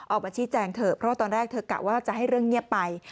ออกมาชี้แจงเถอะเพราะว่าตอนแรกเธอกะว่าจะให้เรื่องเงียบไป